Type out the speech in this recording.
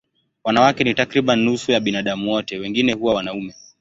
Wanawake ni takriban nusu ya binadamu wote, wengine huwa wanaume.